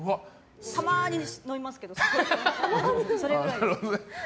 たまに飲みますけど。